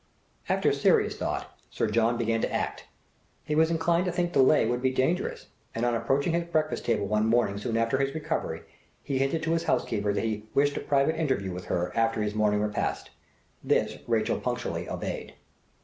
After serious thought, Sir John began to act; he was inclined to think delay would be dangerous, and on approaching his breakfast table one morning soon after his recovery, he hinted to his housekeeper that he "wished a private interview with her after his morning repast." This Rachel punctually obeyed.